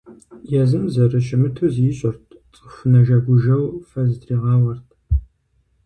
Езым зэрыщымыту зищӀырт, цӀыху нэжэгужэу фэ зытригъауэрт.